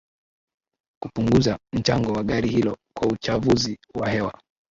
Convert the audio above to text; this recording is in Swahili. kupunguza mchango wa gari hilo kwa uchafuzi wa hewa